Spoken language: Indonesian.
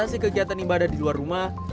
mengatasi kegiatan ibadah di luar rumah